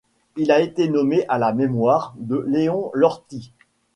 Il a été nommé à la mémoire de Léon Lortie.